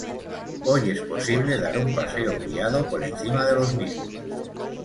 Hoy es posible dar un paseo guiado por encima de los mismos.